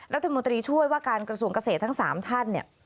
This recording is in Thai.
รัฐมนตรีช่วยว่าการกระทรวงเกษตรทั้ง๓ท่านเนี่ย